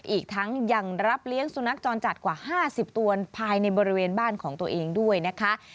อีกทั้งยังรับเลี้ยงสุนัขจรจัดกว่า๕๐ตัวภายในบริเวณบ้านของตัวเองด้วยนะคะ